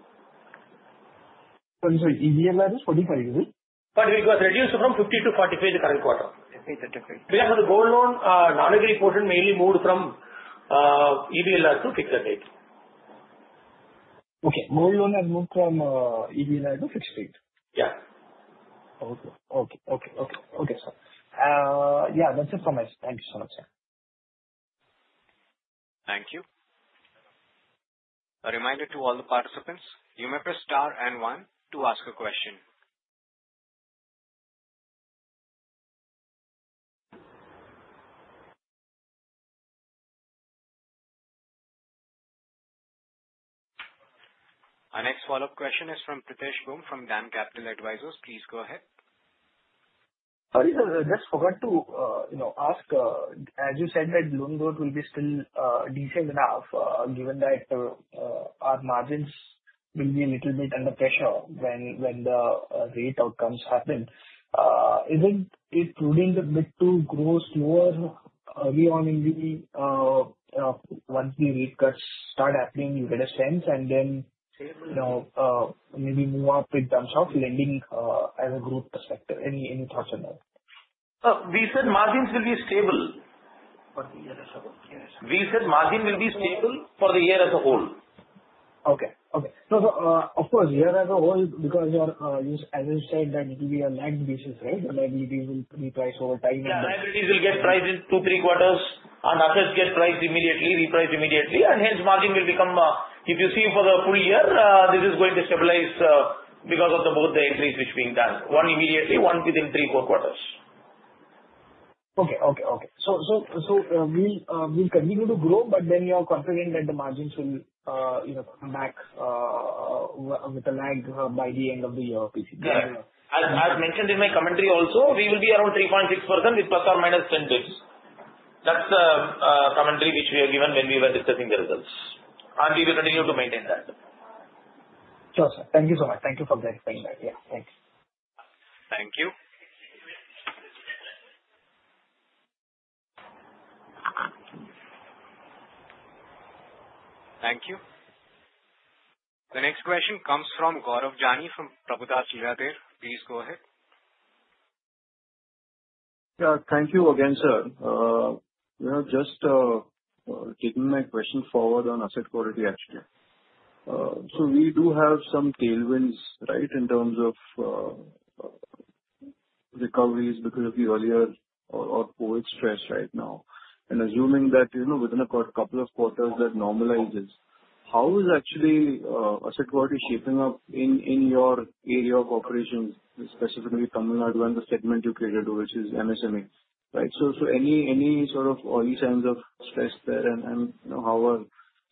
Sorry, EBLR is 45, is it? But it was reduced from 50 to 45 the current quarter. Because of the gold loan, non-agri portion mainly moved from EBLR to fixed rate. Okay. Gold loan has moved from EBLR to fixed rate. Yeah. Okay. Okay. Okay. Okay. Okay, sir. Yeah. That's it from my side. Thank you so much, sir. Thank you. A reminder to all the participants, you may press star and one to ask a question. Our next follow-up question is from Pritesh Bumb from DAM Capital Advisors. Please go ahead. Just forgot to ask, as you said, that loan growth will be still decent enough given that our margins will be a little bit under pressure when the rate outcomes happen. Isn't it prudent a bit to grow slower early on once the rate cuts start happening, you get a sense, and then maybe move up in terms of lending as a growth perspective? Any thoughts on that? We said margins will be stable for the year as a whole. We said margin will be stable for the year as a whole. Okay. Okay. So of course, year as a whole, because as you said, that it will be a lagged basis, right? Liabilities will reprice over time. Liabilities will get priced in two, three quarters, and assets get priced immediately, repriced immediately, and hence margin will become if you see for the full year, this is going to stabilize because of both the entries which are being done. One immediately, one within three, four quarters. Okay. Okay. Okay. So we'll continue to grow, but then you're confident that the margins will come back with a lag by the end of the year? Yeah. As mentioned in my commentary also, we will be around 3.6% with plus or minus 10 basis points. That's the commentary which we were given when we were discussing the results. And we will continue to maintain that. Sure, sir. Thank you so much. Thank you for clarifying that. Yeah. Thanks. Thank you. Thank you. The next question comes from Gaurav Jani from Prabhudas Lilladher. Please go ahead. Thank you again, sir. Just taking my question forward on asset quality, actually. So we do have some tailwinds, right, in terms of recoveries because of the earlier or poor stress right now. And assuming that within a couple of quarters, that normalizes, how is actually asset quality shaping up in your area of operations, specifically Tamil Nadu and the segment you created, which is MSME, right? So any sort of early signs of stress there and how are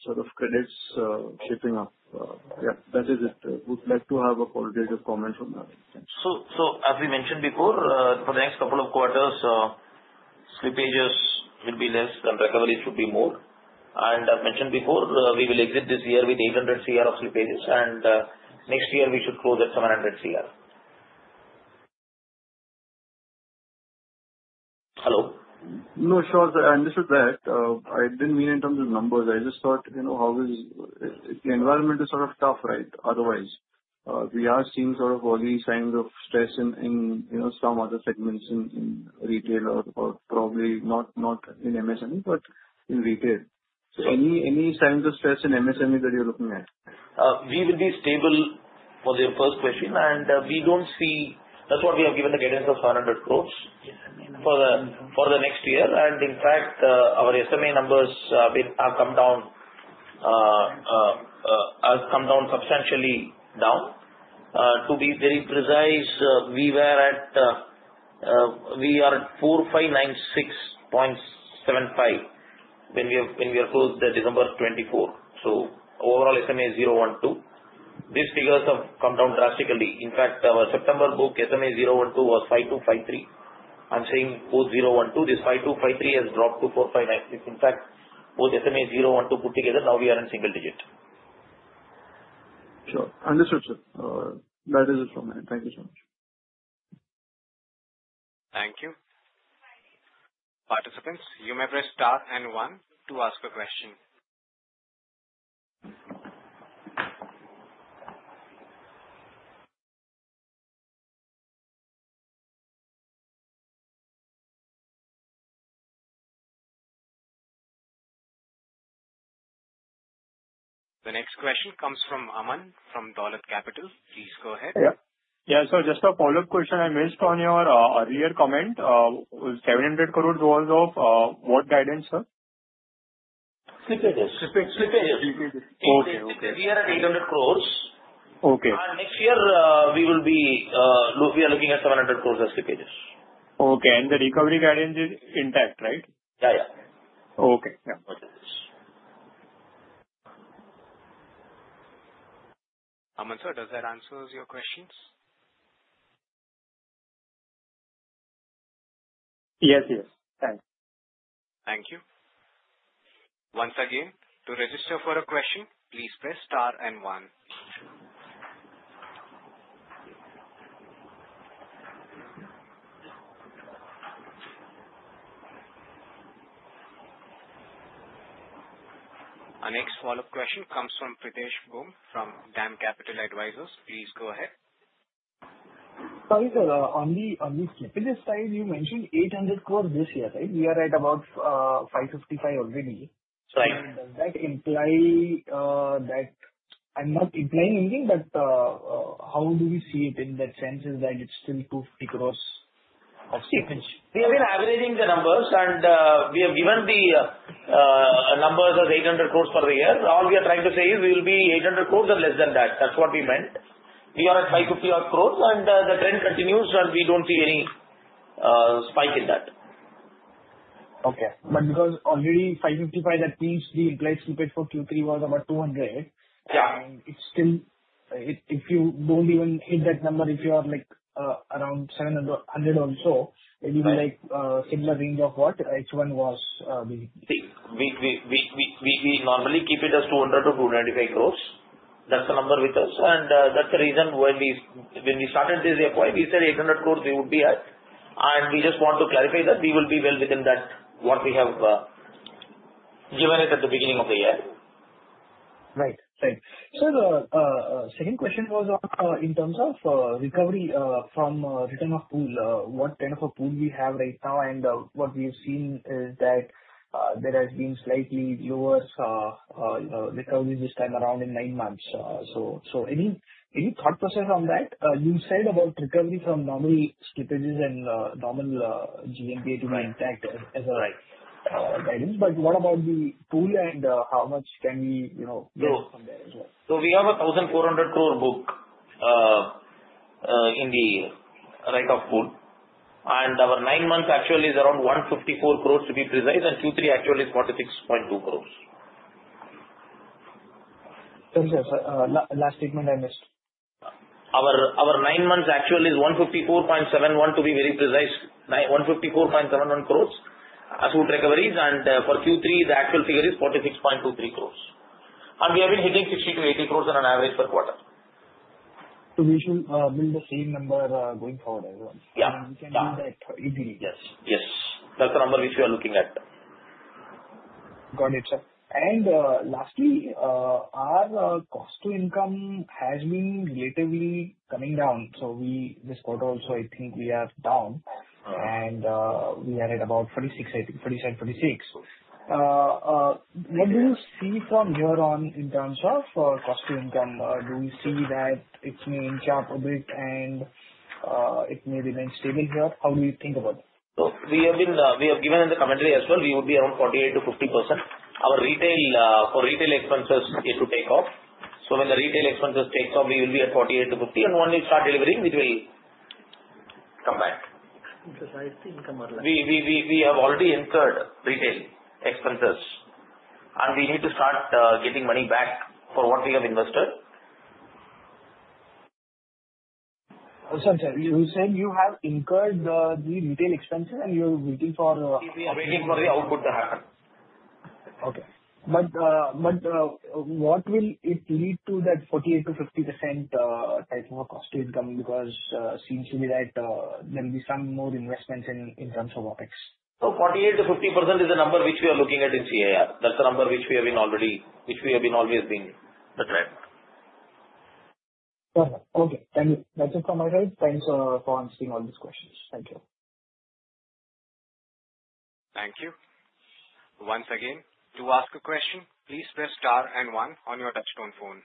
sort of credits shaping up? Yeah. That is it. Would like to have a qualitative comment from that. So as we mentioned before, for the next couple of quarters, slippages will be less and recoveries should be more. And as mentioned before, we will exit this year with 800 CR of slippages, and next year, we should close at 700 CR. Hello? No, sure. I understood that. I didn't mean in terms of numbers. I just thought how is the environment sort of tough, right? Otherwise, we are seeing sort of early signs of stress in some other segments in retail or probably not in MSME, but in retail. So any signs of stress in MSME that you're looking at? We will be stable for the first question, and we don't see. That's why we have given the guidance of 700 crores for the next year. And in fact, our SMA numbers have come down substantially. To be very precise, we are at 4596.75 when we are closed at December 2024. So overall, SMA is 012. These figures have come down drastically. In fact, our September book, SMA 012 was 5253. I'm saying both 012, this 5253 has dropped to 4596. In fact, both SMA 012 put together, now we are in single digit. Sure. Understood, sir. That is it from me. Thank you so much. Thank you. Participants, you may press star and one to ask a question. The next question comes from Aman from Dollop Capital. Please go ahead. Yeah. Yeah. So just a follow-up question. I missed on your earlier comment. 700 crores was of what guidance, sir? Slippages. Slippages. Slippages. Okay. Okay. This year at 800 crores. And next year, we will be looking at 700 crores as slippages. Okay. And the recovery guidance is intact, right? Yeah. Yeah. Okay. Yeah. Aman, sir, does that answer your questions? Yes. Yes. Thanks. Thank you. Once again, to register for a question, please press star and one. Our next follow-up question comes from Pritesh Bumb from DAM Capital Advisors. Please go ahead. On the slippages side, you mentioned 800 crores this year, right? We are at about 555 crores already. So does that imply that I'm not implying anything, but how do we see it in that sense is that it's still 250 crores of slippage? We have been averaging the numbers, and we have given the numbers as 800 crores for the year. All we are trying to say is we will be 800 crores and less than that. That's what we meant. We are at 550 crores, and the trend continues, and we don't see any spike in that. Okay. But because already 555, that means the implied slippage for Q3 was about 200. And if you don't even hit that number, if you are around 700 or so, maybe similar range of what H1 was. We normally keep it as 200 to 295 crores. That's the number with us. And that's the reason when we started this report, we said 800 crores we would be at. We just want to clarify that we will be well within that, what we have given it at the beginning of the year. Right. Right. Sir, the second question was in terms of recovery from written-off pool. What kind of a pool we have right now? And what we have seen is that there has been slightly lower recovery this time around in nine months. Any thought process on that? You said about recovery from normal slippages and normal GNPA to be intact as a guidance. What about the pool and how much can we get from there as well? We have a 1,400 crore book in the written-off pool. And our nine months actual is around 154 crores to be precise, and Q3 actual is 46.2 crores. Yes. Yes. Last statement I missed. Our nine months actual is 154.71 crores, to be very precise, 154.71 crores as recoveries. And for Q3, the actual figure is 46.23 crores. And we have been hitting 60-80 crores on an average per quarter. So we should build the same number going forward as well. Yeah. We can do that easily. Yes. Yes. That's the number which we are looking at. Got it, sir. And lastly, our cost to income has been relatively coming down. So this quarter also, I think we are down. And we are at about 46, I think. 47, 46. What do you see from here on in terms of cost to income? Do we see that it may inch up a bit and it may remain stable here? How do you think about it? So we have given in the commentary as well, we would be around 48%-50%. Our retail for retail expenses is to take off. So when the retail expenses take off, we will be at 48%-50%. And when we start delivering, it will come back. Increase the income or less? We have already incurred retail expenses. And we need to start getting money back for what we have invested. I'm sorry. You said you have incurred the retail expenses, and you're waiting for a? We are waiting for the output to happen. Okay. But what will it lead to, that 48%-50% type of a cost to income? Because it seems to me that there will be some more investments in terms of OpEx. So 48%-50% is the number which we are looking at in CIR. That's the number which we have been always being. That's right. Okay. Thank you. That's it from my side. Thanks for answering all these questions. Thank you. Thank you. Once again, to ask a question, please press star and one on your touch-tone phone.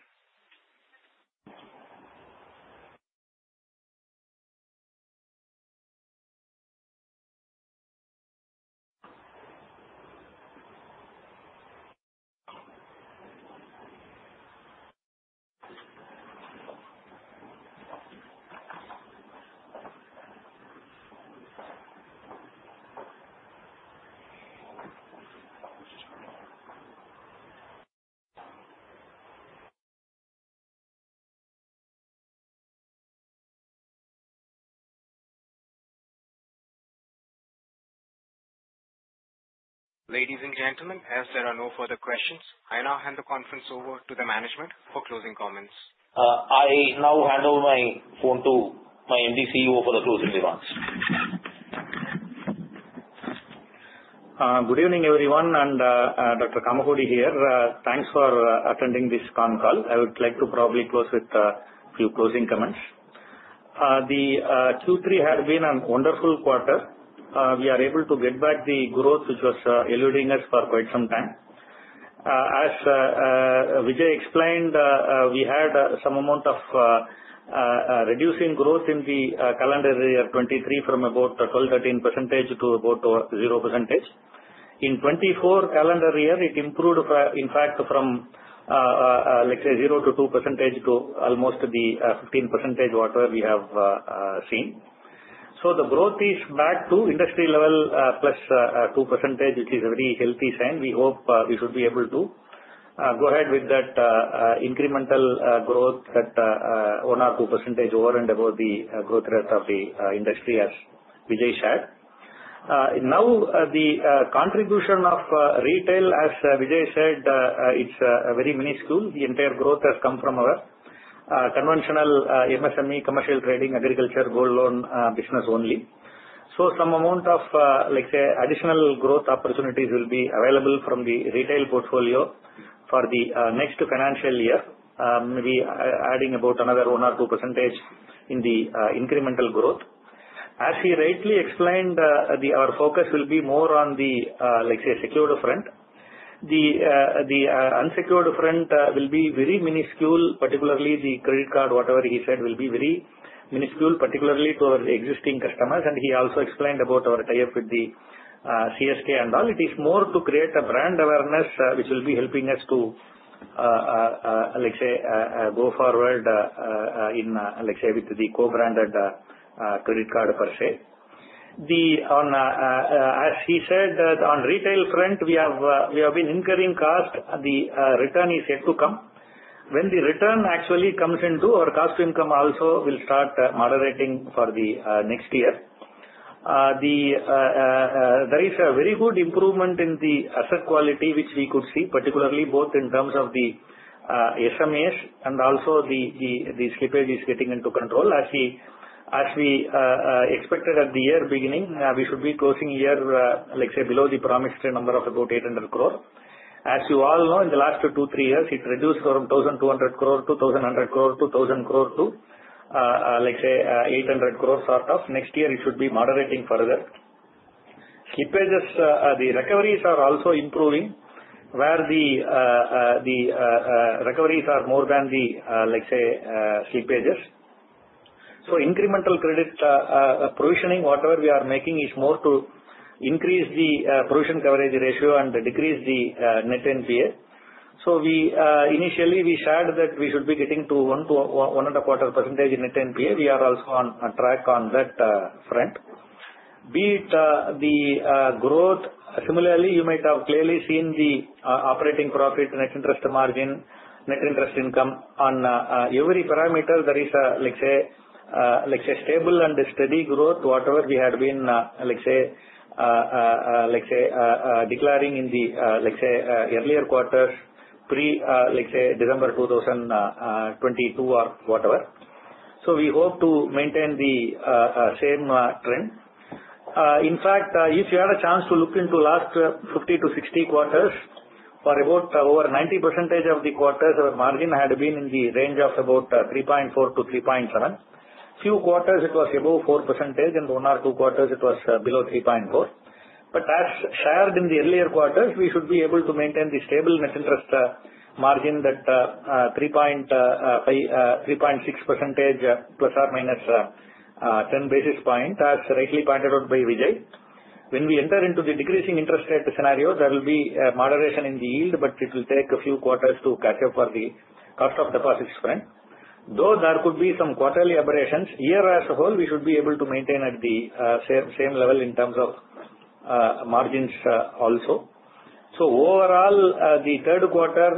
Ladies and gentlemen, as there are no further questions, I now hand the conference over to the management for closing comments. I now hand over to my MD CEO for the closing remarks. Good evening, everyone. And Dr. Kamakodi here. Thanks for attending this con call. I would like to probably close with a few closing comments. The Q3 had been a wonderful quarter. We are able to get back the growth which was eluding us for quite some time. As Vijay explained, we had some amount of reducing growth in the calendar year 2023 from about 12-13% to about 0%. In 2024 calendar year, it improved, in fact, from, let's say, 0% to 2% to almost the 15%, whatever we have seen. So the growth is back to industry level plus 2%, which is a very healthy sign. We hope we should be able to go ahead with that incremental growth, that 1% or 2% over and above the growth rate of the industry, as Vijay said. Now, the contribution of retail, as Vijay said, it's very minuscule. The entire growth has come from our conventional MSME, commercial trading, agriculture, gold loan business only. So some amount of, let's say, additional growth opportunities will be available from the retail portfolio for the next financial year, maybe adding about another 1% or 2% in the incremental growth. As he rightly explained, our focus will be more on the, let's say, secured front. The unsecured front will be very minuscule, particularly the credit card, whatever he said, will be very minuscule, particularly to our existing customers, and he also explained about our tie-up with the CSK and all. It is more to create a brand awareness, which will be helping us to, let's say, go forward with the co-branded credit card, per se. As he said, on retail front, we have been incurring cost. The return is yet to come. When the return actually comes in to our cost to income also will start moderating for the next year. There is a very good improvement in the asset quality, which we could see, particularly both in terms of the SMAs and also the slippage is getting into control. As we expected at the year beginning, we should be closing year, let's say, below the promised number of about 800 crores. As you all know, in the last two, three years, it reduced from 1,200 crores to 1,100 crores to 1,000 crores to, let's say, 800 crores sort of. Next year, it should be moderating further. The recoveries are also improving, where the recoveries are more than the, let's say, slippages. So incremental credit provisioning, whatever we are making, is more to increase the provision coverage ratio and decrease the net NPA. So initially, we shared that we should be getting to 1%-1.25% net NPA. We are also on track on that front. Be it the growth. Similarly, you might have clearly seen the operating profit, net interest margin, net interest income. On every parameter, there is a, let's say, stable and steady growth, whatever we had been, let's say, declaring in the, let's say, earlier quarters, pre, let's say, December 2022 or whatever. We hope to maintain the same trend. In fact, if you had a chance to look into last 50-60 quarters, for about over 90% of the quarters, our margin had been in the range of about 3.4%-3.7%. Few quarters, it was above 4%, and one or two quarters, it was below 3.4%. But as shared in the earlier quarters, we should be able to maintain the stable net interest margin that 3.6% plus or minus 10 basis points, as rightly pointed out by Vijay. When we enter into the decreasing interest rate scenario, there will be a moderation in the yield, but it will take a few quarters to catch up for the cost of deposits front. Though there could be some quarterly aberrations, year as a whole, we should be able to maintain at the same level in terms of margins also, so overall, the third quarter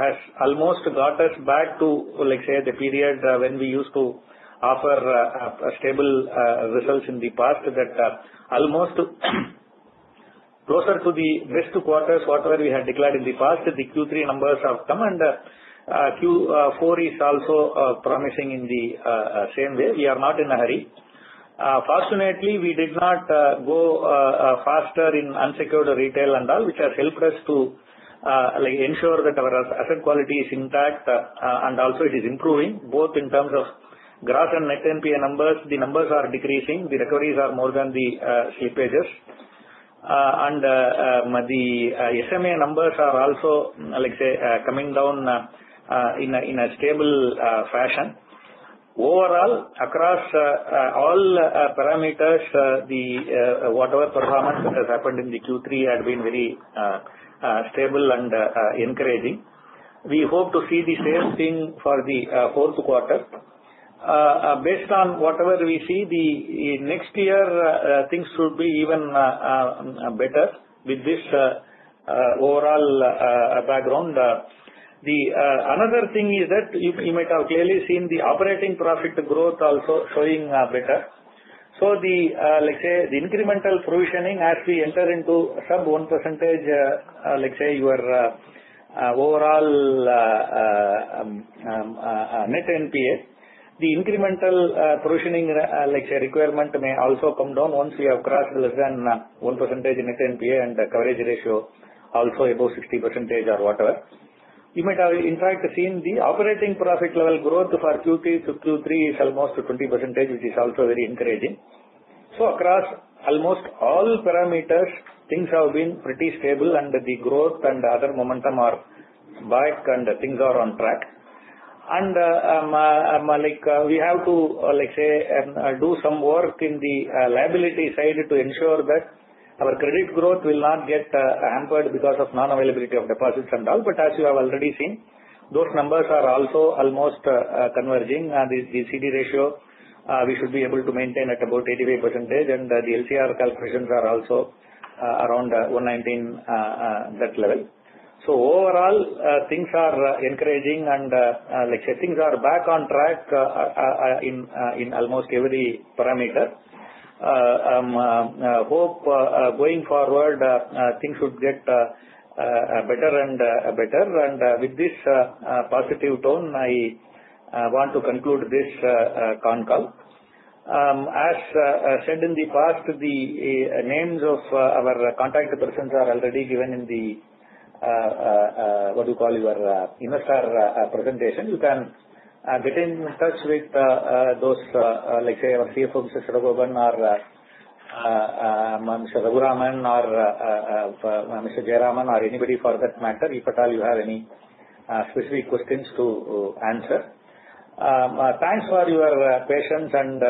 has almost got us back to, let's say, the period when we used to offer stable results in the past, that almost closer to the best quarters, whatever we had declared in the past, the Q3 numbers have come, and Q4 is also promising in the same way. We are not in a hurry. Fortunately, we did not go faster in unsecured retail and all, which has helped us to ensure that our asset quality is intact and also it is improving. Both in terms of gross and net NPA numbers, the numbers are decreasing. The recoveries are more than the slippages. And the SMA numbers are also, let's say, coming down in a stable fashion. Overall, across all parameters, whatever performance that has happened in the Q3 had been very stable and encouraging. We hope to see the same thing for the fourth quarter. Based on whatever we see, the next year, things should be even better with this overall background. Another thing is that you might have clearly seen the operating profit growth also showing better. So let's say the incremental provisioning, as we enter into sub 1%, let's say your overall net NPA, the incremental provisioning, let's say, requirement may also come down once we have crossed less than 1% net NPA and the coverage ratio also above 60% or whatever. You might have, in fact, seen the operating profit level growth for Q3 to Q3 is almost 20%, which is also very encouraging. So across almost all parameters, things have been pretty stable, and the growth and other momentum are back, and things are on track. And we have to, let's say, do some work in the liability side to ensure that our credit growth will not get hampered because of non-availability of deposits and all. But as you have already seen, those numbers are also almost converging. The CD ratio, we should be able to maintain at about 85%, and the LCR calculations are also around 119%, that level. So overall, things are encouraging, and let's say things are back on track in almost every parameter. Hope going forward, things should get better and better. And with this positive tone, I want to conclude this con call. As said in the past, the names of our contact persons are already given in the, what do you call, your MSR presentation. You can get in touch with those, let's say, our CFO, Mr. Sadagopan, or Mr. Raghuraman, or Mr. Jayaraman, or anybody for that matter, if at all you have any specific questions to answer. Thanks for your patience and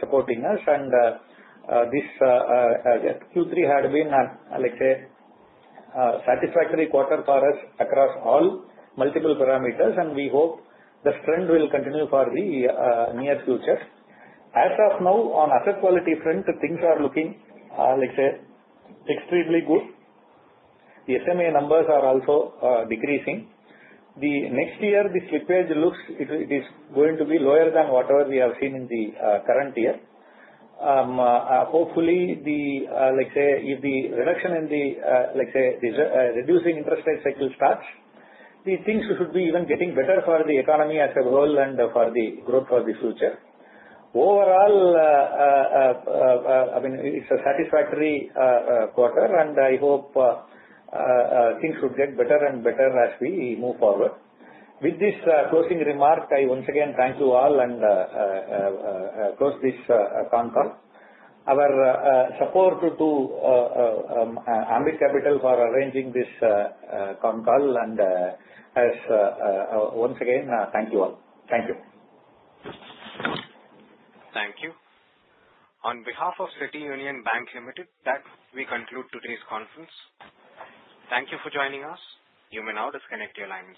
supporting us. And this Q3 had been, let's say, a satisfactory quarter for us across all multiple parameters, and we hope the trend will continue for the near future. As of now, on asset quality front, things are looking, let's say, extremely good. The SMA numbers are also decreasing. The next year, the slippage looks it is going to be lower than whatever we have seen in the current year. Hopefully, let's say, if the reduction in the, let's say, reducing interest rate cycle starts, the things should be even getting better for the economy as a whole and for the growth for the future. Overall, I mean, it's a satisfactory quarter, and I hope things should get better and better as we move forward. With this closing remark, I once again thank you all and close this con call. Our support to Ambit Capital for arranging this con call, and as once again, thank you all. Thank you. 'Thank you. On behalf of City Union Bank Limited, we conclude today's conference. Thank you for joining us. You may now disconnect your lines.